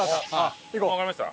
わかりました？